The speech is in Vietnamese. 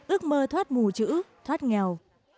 ước mơ thoát mù chữ thoát nghèo